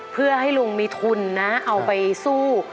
เพื่อให้ลุงมีทุนนะเอาไปสู้